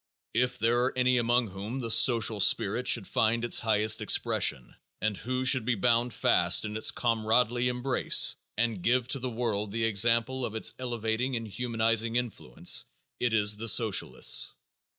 If there are any among whom the social spirit should find its highest expression and who should be bound fast in its comradely embrace and give to the world the example of its elevating and humanizing influence, it is the Socialists.